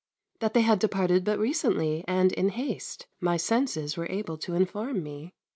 That they had departed but recently and in haste, my senses were able to inform me.